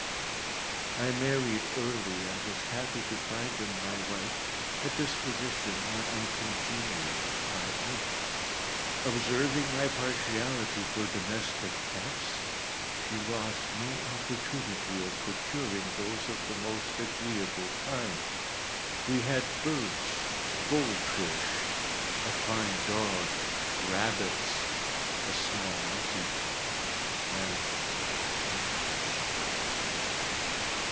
I married early, and was happy to find in my wife a disposition not uncongenial with my own. Observing my partiality for domestic pets, she lost no opportunity of procuring those of the most agreeable kind. We had birds, gold fish, a fine dog, rabbits, a small monkey, and a cat.